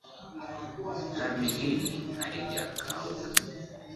Lami hii haijakauka.